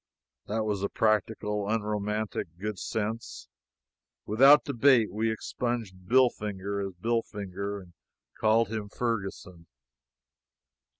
That was practical, unromantic good sense. Without debate, we expunged Billfinger as Billfinger, and called him Ferguson.